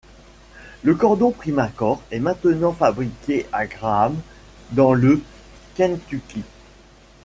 Le cordon Primacord est maintenant fabriqué à Graham, dans le Kentucky.